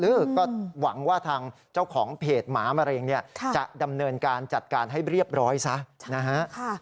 ก็หวังว่าทางเจ้าของเพจหมามะเร็งเนี่ยจะดำเนินการจัดการให้เรียบร้อยซะนะฮะ